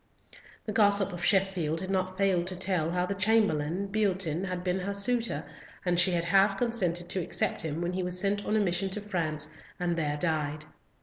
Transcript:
The gossip of Sheffield had not failed to tell how the chamberlain, Beatoun, had been her suitor, and she had half consented to accept him when he was sent on a mission to France, and there died.